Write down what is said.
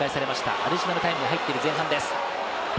アディショナルタイムに入っている前半です。